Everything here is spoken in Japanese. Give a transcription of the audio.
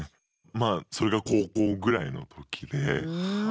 まあそれが高校ぐらいの時で。